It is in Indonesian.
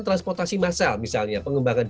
transportasi massal misalnya pengembangan